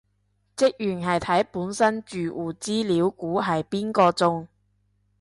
職員係睇本身住戶資料估係邊個中